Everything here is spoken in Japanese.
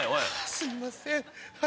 すいません。